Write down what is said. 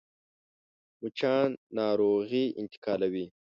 مچان ناروغي انتقالوي